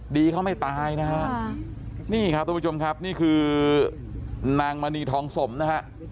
ดีเขาไม่ตายนะฮะนี่ครับทุกผู้ชมครับนี่คือนางมณีทองสมนะฮะ